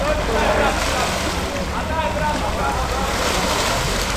পূর্ব মঙ্গোলিয়ার অধিকাংশ এলাকা সমতল।